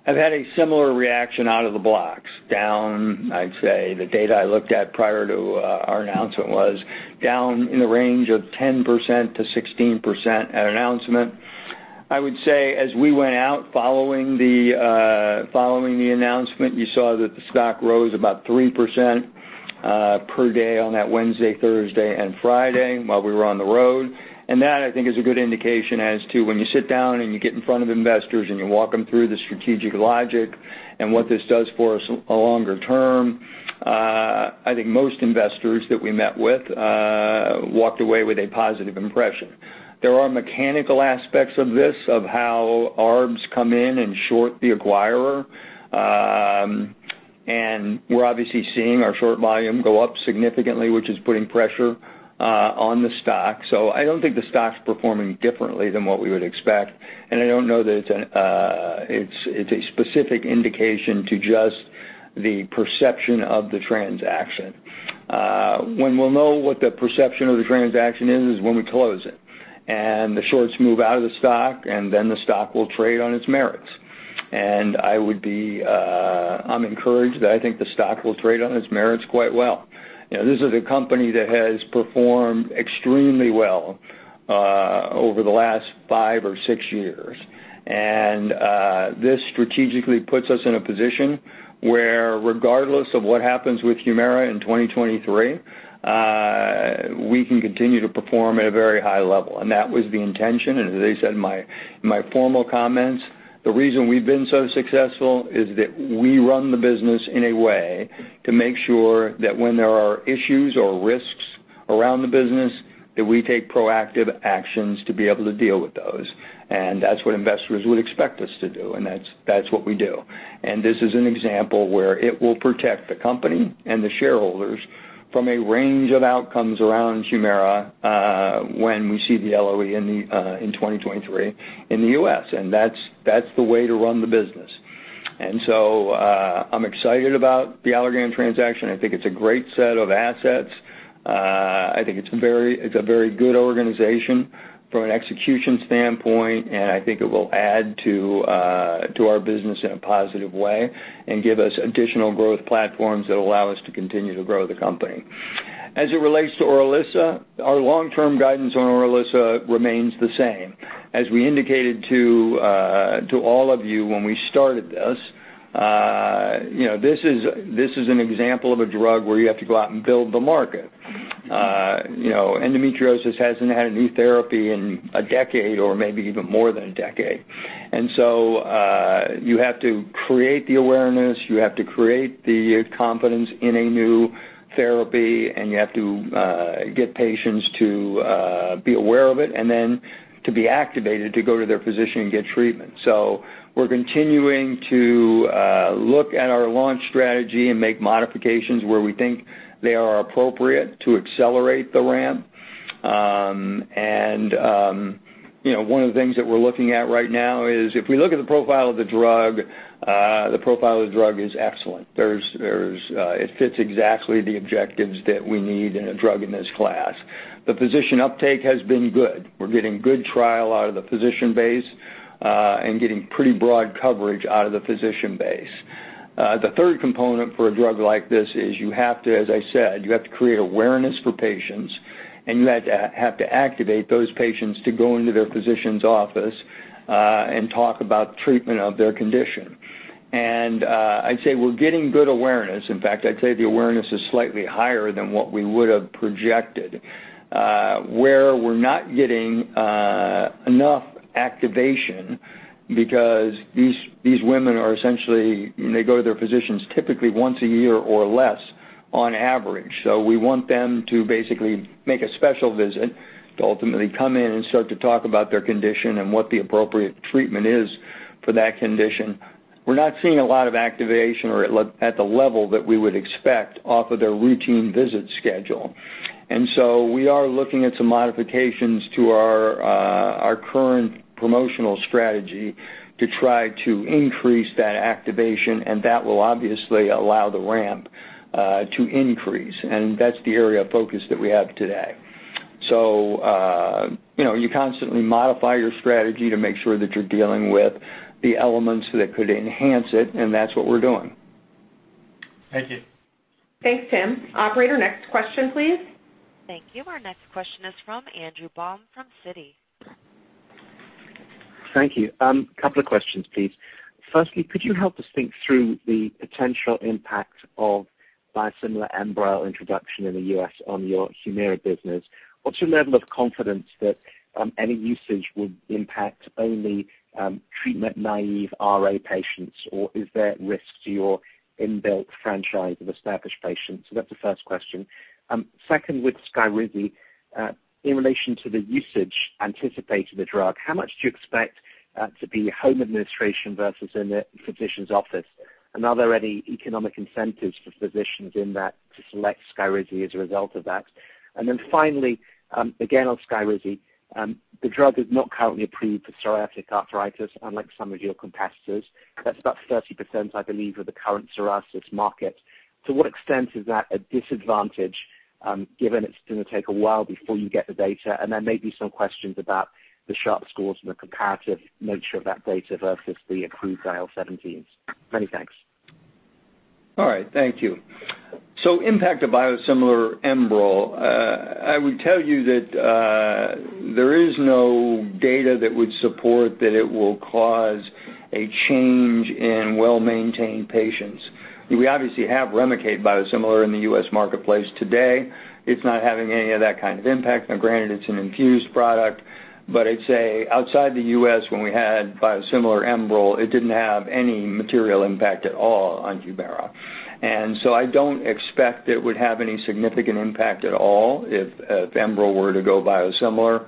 have had a similar reaction out of the blocks. Down, I'd say the data I looked at prior to our announcement was down in the range of 10%-16% at announcement. I would say as we went out following the announcement, you saw that the stock rose about 3% per day on that Wednesday, Thursday, and Friday while we were on the road. That, I think, is a good indication as to when you sit down and you get in front of investors, and you walk them through the strategic logic and what this does for us longer term, I think most investors that we met with walked away with a positive impression. There are mechanical aspects of this, of how ARBs come in and short the acquirer. We're obviously seeing our short volume go up significantly, which is putting pressure on the stock. I don't think the stock's performing differently than what we would expect, and I don't know that it's a specific indication to just the perception of the transaction. When we'll know what the perception of the transaction is when we close it, and the shorts move out of the stock, and then the stock will trade on its merits. I'm encouraged that I think the stock will trade on its merits quite well. This is a company that has performed extremely well over the last five or six years. This strategically puts us in a position where regardless of what happens with HUMIRA in 2023, we can continue to perform at a very high level. That was the intention. As I said in my formal comments, the reason we've been so successful is that we run the business in a way to make sure that when there are issues or risks around the business, that we take proactive actions to be able to deal with those. That's what investors would expect us to do, and that's what we do. This is an example where it will protect the company and the shareholders from a range of outcomes around HUMIRA when we see the LOE in 2023 in the U.S., and that's the way to run the business. So, I'm excited about the Allergan transaction. I think it's a great set of assets. I think it's a very good organization from an execution standpoint, and I think it will add to our business in a positive way and give us additional growth platforms that allow us to continue to grow the company. As it relates to ORILISSA, our long-term guidance on ORILISSA remains the same. As we indicated to all of you when we started this is an example of a drug where you have to go out and build the market. Endometriosis hasn't had a new therapy in a decade or maybe even more than a decade. You have to create the awareness, you have to create the confidence in a new therapy, and you have to get patients to be aware of it, and then to be activated to go to their physician and get treatment. We're continuing to look at our launch strategy and make modifications where we think they are appropriate to accelerate the ramp. One of the things that we're looking at right now is if we look at the profile of the drug, the profile of the drug is excellent. It fits exactly the objectives that we need in a drug in this class. The physician uptake has been good. We're getting good trial out of the physician base, and getting pretty broad coverage out of the physician base. The third component for a drug like this is you have to, as I said, you have to create awareness for patients, you have to activate those patients to go into their physician's office and talk about treatment of their condition. I'd say we're getting good awareness. In fact, I'd say the awareness is slightly higher than what we would've projected. Where we're not getting enough activation, because these women go to their physicians typically once a year or less on average. We want them to basically make a special visit to ultimately come in and start to talk about their condition and what the appropriate treatment is for that condition. We're not seeing a lot of activation or at the level that we would expect off of their routine visit schedule. We are looking at some modifications to our current promotional strategy to try to increase that activation, and that will obviously allow the ramp to increase, and that's the area of focus that we have today. You constantly modify your strategy to make sure that you're dealing with the elements that could enhance it, and that's what we're doing. Thank you. Thanks, Tim. Operator, next question, please. Thank you. Our next question is from Andrew Baum from Citi. Thank you. Couple of questions, please. Firstly, could you help us think through the potential impact of biosimilar ENBREL introduction in the U.S. on your HUMIRA business? What's your level of confidence that any usage would impact only treatment-naive RA patients, or is there risk to your inbuilt franchise of established patients? That's the first question. Second, with SKYRIZI, in relation to the usage anticipated the drug, how much do you expect to be home administration versus in a physician's office? Are there any economic incentives for physicians in that to select SKYRIZI as a result of that? Finally, again on SKYRIZI, the drug is not currently approved for psoriatic arthritis, unlike some of your competitors. That's about 30%, I believe, of the current psoriasis market. To what extent is that a disadvantage, given it's going to take a while before you get the data, and there may be some questions about the sharp scores and the comparative nature of that data versus the approved IL-17s? Many thanks. All right. Thank you. Impact of biosimilar ENBREL, I would tell you that there is no data that would support that it will cause a change in well-maintained patients. We obviously have Remicade biosimilar in the U.S. marketplace today. It's not having any of that kind of impact. Granted, it's an infused product. I'd say outside the U.S., when we had biosimilar ENBREL, it didn't have any material impact at all on HUMIRA. I don't expect it would have any significant impact at all if ENBREL were to go biosimilar.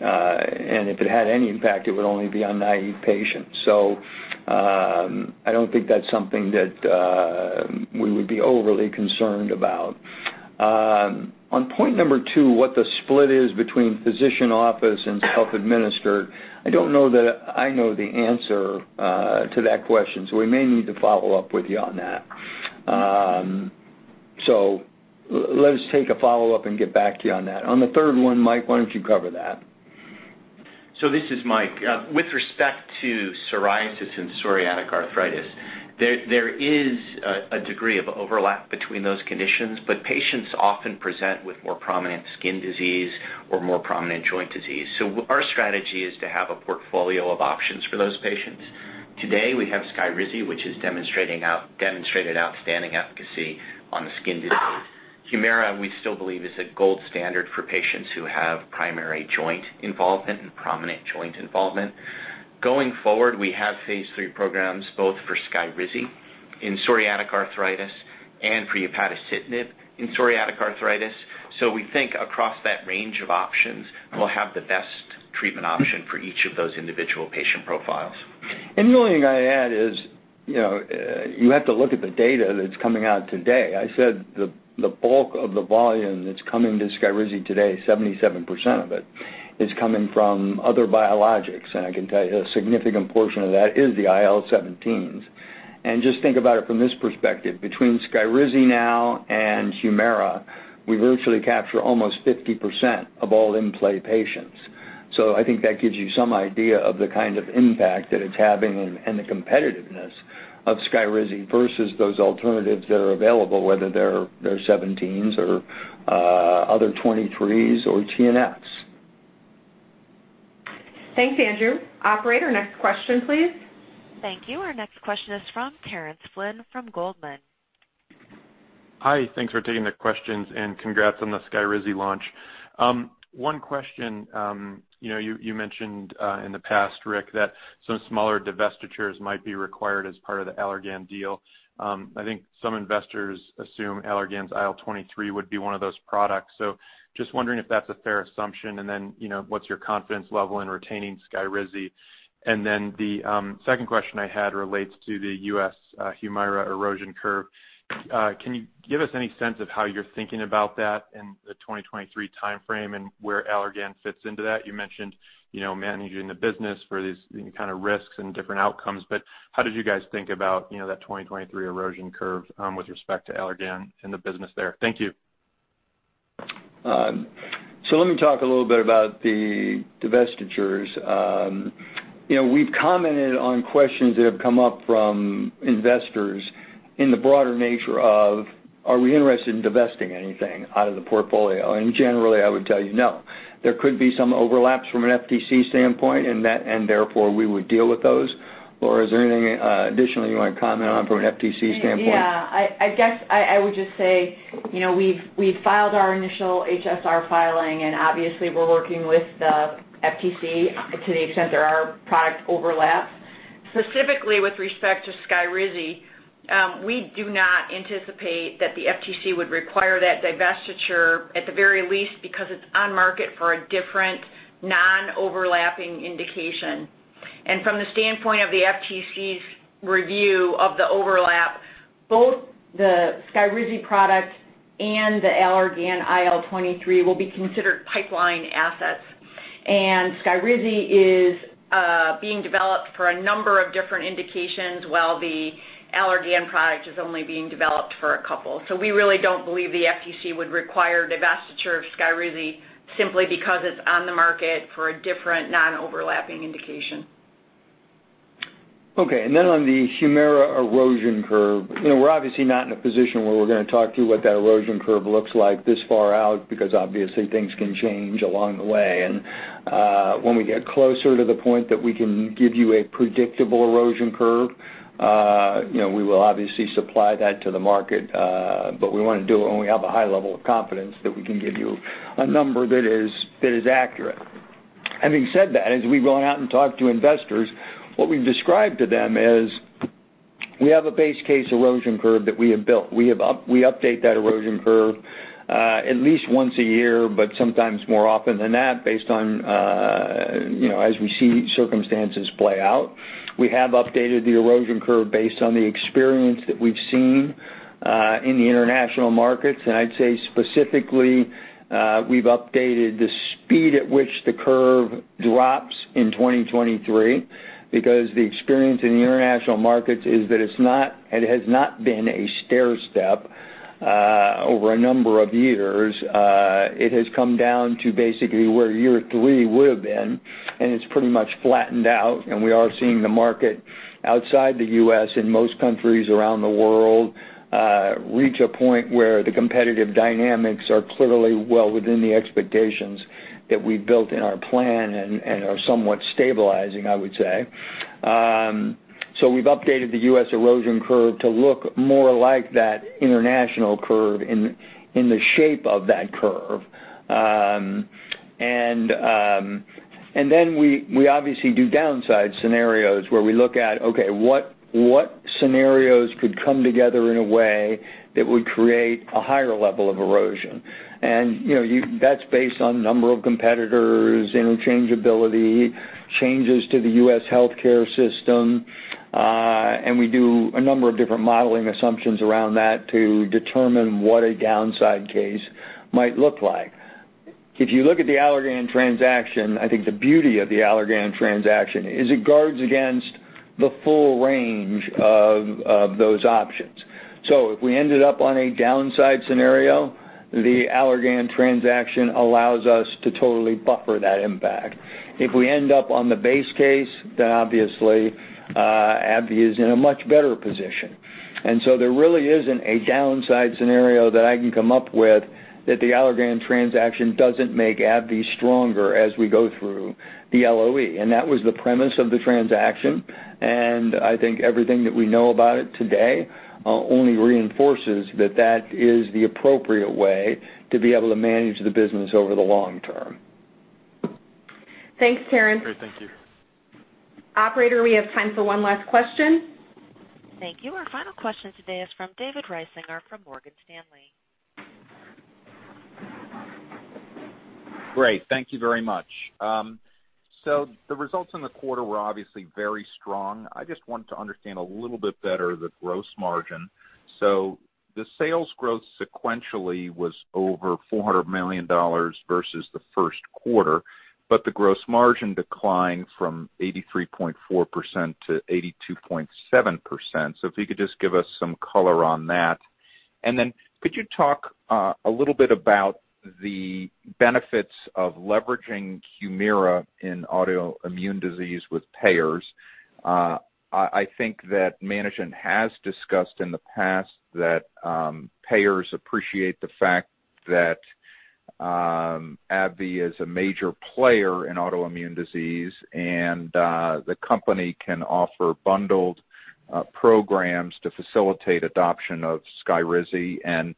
If it had any impact, it would only be on naive patients. I don't think that's something that we would be overly concerned about. On point number two, what the split is between physician office and self-administered, I don't know that I know the answer to that question. We may need to follow up with you on that. Let us take a follow-up and get back to you on that. On the third one, Mike, why don't you cover that? This is Mike. With respect to psoriasis and psoriatic arthritis, there is a degree of overlap between those conditions, but patients often present with more prominent skin disease or more prominent joint disease. Our strategy is to have a portfolio of options for those patients. Today, we have SKYRIZI, which has demonstrated outstanding efficacy on the skin disease. HUMIRA, we still believe, is a gold standard for patients who have primary joint involvement and prominent joint involvement. Going forward, we have phase III programs both for SKYRIZI in psoriatic arthritis and for upadacitinib in psoriatic arthritis. We think across that range of options, we'll have the best treatment option for each of those individual patient profiles. The only thing I'd add is, you have to look at the data that's coming out today. I said the bulk of the volume that's coming to SKYRIZI today, 77% of it, is coming from other biologics. I can tell you a significant portion of that is the IL-17s. Just think about it from this perspective. Between SKYRIZI now and HUMIRA, we virtually capture almost 50% of all in-play patients. I think that gives you some idea of the kind of impact that it's having and the competitiveness of SKYRIZI versus those alternatives that are available, whether they're 17s or other 23s or TNFs. Thanks, Andrew. Operator, next question, please. Thank you. Our next question is from Terence Flynn from Goldman. Hi. Thanks for taking the questions and congrats on the SKYRIZI launch. One question. You mentioned in the past, Rick, that some smaller divestitures might be required as part of the Allergan deal. I think some investors assume Allergan's IL-23 would be one of those products. Just wondering if that's a fair assumption, what's your confidence level in retaining SKYRIZI? The second question I had relates to the U.S. HUMIRA erosion curve. Can you give us any sense of how you're thinking about that and the 2023 timeframe and where Allergan fits into that? You mentioned managing the business for these kind of risks and different outcomes, how did you guys think about that 2023 erosion curve with respect to Allergan and the business there? Thank you. Let me talk a little bit about the divestitures. We've commented on questions that have come up from investors in the broader nature of, are we interested in divesting anything out of the portfolio? Generally, I would tell you no. There could be some overlaps from an FTC standpoint and therefore we would deal with those. Laura, is there anything additionally you want to comment on from an FTC standpoint? Yeah. I guess I would just say, we've filed our initial HSR filing. Obviously, we're working with the FTC to the extent there are product overlaps. Specifically with respect to SKYRIZI, we do not anticipate that the FTC would require that divestiture, at the very least, because it's on market for a different non-overlapping indication. From the standpoint of the FTC's review of the overlap, both the SKYRIZI product and the Allergan IL-23 will be considered pipeline assets. SKYRIZI is being developed for a number of different indications, while the Allergan product is only being developed for a couple. We really don't believe the FTC would require divestiture of SKYRIZI simply because it's on the market for a different non-overlapping indication. Okay, on the HUMIRA erosion curve, we're obviously not in a position where we're going to talk to you what that erosion curve looks like this far out, because obviously things can change along the way. When we get closer to the point that we can give you a predictable erosion curve, we will obviously supply that to the market, but we want to do it when we have a high level of confidence that we can give you a number that is accurate. Having said that, as we go out and talk to investors, what we've described to them is we have a base case erosion curve that we have built. We update that erosion curve at least once a year, but sometimes more often than that based on as we see circumstances play out. We have updated the erosion curve based on the experience that we've seen in the international markets. I'd say specifically, we've updated the speed at which the curve drops in 2023 because the experience in the international markets is that it has not been a stairstep over a number of years, it has come down to basically where year three would've been, and it's pretty much flattened out, and we are seeing the market outside the U.S. in most countries around the world reach a point where the competitive dynamics are clearly well within the expectations that we built in our plan and are somewhat stabilizing, I would say. We've updated the U.S. erosion curve to look more like that international curve in the shape of that curve. We obviously do downside scenarios where we look at, okay, what scenarios could come together in a way that would create a higher level of erosion? That's based on number of competitors, interchangeability, changes to the U.S. healthcare system. We do a number of different modeling assumptions around that to determine what a downside case might look like. If you look at the Allergan transaction, I think the beauty of the Allergan transaction is it guards against the full range of those options. If we ended up on a downside scenario, the Allergan transaction allows us to totally buffer that impact. If we end up on the base case, then obviously AbbVie is in a much better position. There really isn't a downside scenario that I can come up with that the Allergan transaction doesn't make AbbVie stronger as we go through the LOE, and that was the premise of the transaction, and I think everything that we know about it today only reinforces that that is the appropriate way to be able to manage the business over the long term. Thanks, Terence. Great. Thank you. Operator, we have time for one last question. Thank you. Our final question today is from David Risinger from Morgan Stanley. Great. Thank you very much. The results in the quarter were obviously very strong. I just wanted to understand a little bit better the gross margin. The sales growth sequentially was over $400 million versus the first quarter, but the gross margin declined from 83.4% to 82.7%. If you could just give us some color on that. Could you talk a little bit about the benefits of leveraging HUMIRA in autoimmune disease with payers? I think that management has discussed in the past that payers appreciate the fact that AbbVie is a major player in autoimmune disease, and the company can offer bundled programs to facilitate adoption of SKYRIZI, and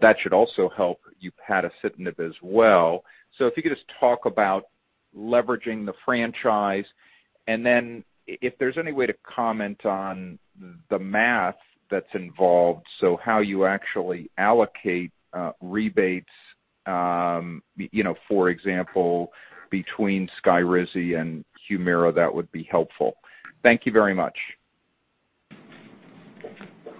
that should also help upadacitinib as well. If you could just talk about leveraging the franchise, and then if there's any way to comment on the math that's involved, so how you actually allocate rebates, for example, between SKYRIZI and HUMIRA, that would be helpful. Thank you very much.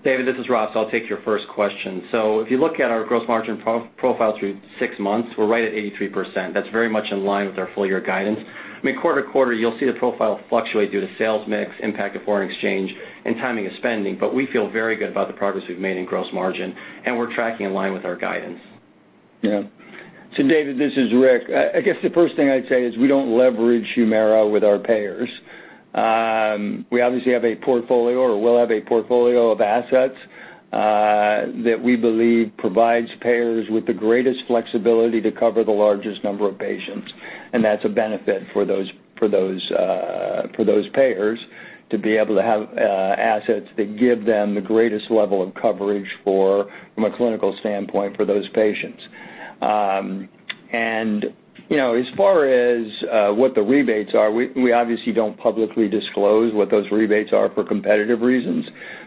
David, this is Rob. I'll take your first question. If you look at our gross margin profile through six months, we're right at 83%. That's very much in line with our full-year guidance. Quarter-to-quarter, you'll see the profile fluctuate due to sales mix, impact of foreign exchange, and timing of spending, but we feel very good about the progress we've made in gross margin, and we're tracking in line with our guidance. David, this is Rick. I guess the first thing I'd say is we don't leverage HUMIRA with our payers. We obviously have a portfolio or will have a portfolio of assets that we believe provides payers with the greatest flexibility to cover the largest number of patients. That's a benefit for those payers to be able to have assets that give them the greatest level of coverage, from a clinical standpoint, for those patients. As far as what the rebates are, we obviously don't publicly disclose what those rebates are for competitive reasons.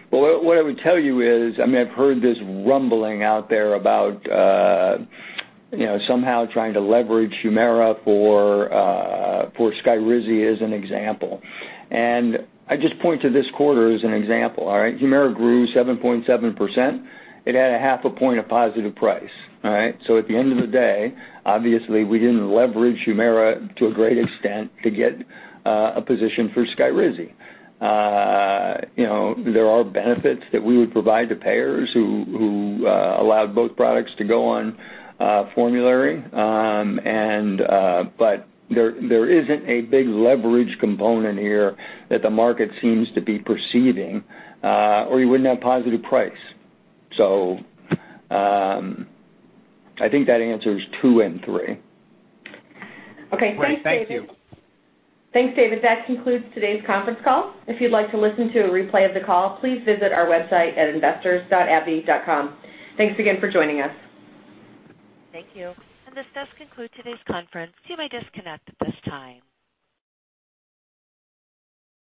What I would tell you is, I've heard this rumbling out there about somehow trying to leverage HUMIRA for SKYRIZI as an example. I just point to this quarter as an example. All right? HUMIRA grew 7.7%. It had a half a point of positive price. All right? At the end of the day, obviously, we didn't leverage HUMIRA to a great extent to get a position for SKYRIZI. There are benefits that we would provide to payers who allowed both products to go on formulary, but there isn't a big leverage component here that the market seems to be perceiving, or you wouldn't have positive price. I think that answers two and three. Okay. Great. Thank you. Thanks, David. That concludes today's conference call. If you'd like to listen to a replay of the call, please visit our website at investors.abbvie.com. Thanks again for joining us. Thank you. This does conclude today's conference. You may disconnect at this time.